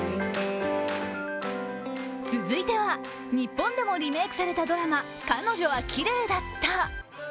続いては、日本でもリメイクされたドラマ、「彼女はキレイだった」。